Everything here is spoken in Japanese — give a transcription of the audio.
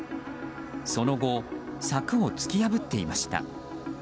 その後、柵を突き破っていました。